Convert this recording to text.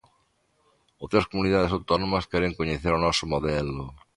Outras comunidades autónomas queren coñecer o noso modelo.